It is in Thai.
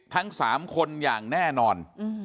ทั้ง๓คนอย่างแน่นอน